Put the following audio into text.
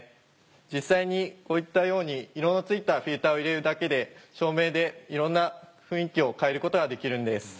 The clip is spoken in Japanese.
実際にこういったように色の付いたフィルターを入れるだけで照明でいろんな雰囲気を変えることができるんです。